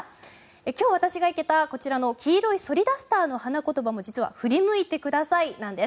今日、私が生けたこちらの黄色いソリダスターの花ことばも実は振り向いてくださいなんです。